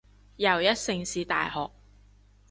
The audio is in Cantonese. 又一城市大學